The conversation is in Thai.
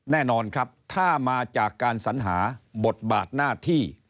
แน่นอนครับถ้ามาจากการสัญหาบทบาทหน้าที่